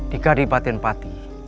di kadipatin pati